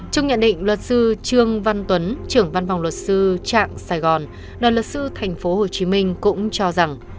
trong nhận định luật sư trương văn tuấn trưởng văn phòng luật sư trạng sài gòn đoàn luật sư tp hcm cũng cho rằng